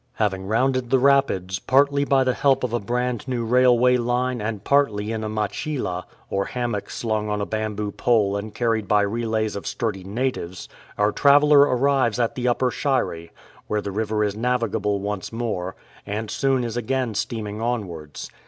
Having rounded the rapids, partly by the help of a brand new railway line and partly in a machila^ or ham mock slung on a bamboo pole and carried by relays of sturdy natives, our traveller arrives at the Upper Shire, where the river is navigable once more, and soon is again steaming onwards.